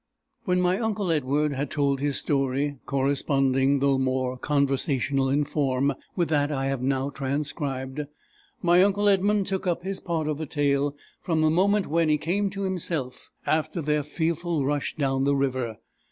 When my uncle Edward had told his story, corresponding, though more conversational in form, with that I have now transcribed, my uncle Edmund took up his part of the tale from the moment when he came to himself after their fearful rush down the river.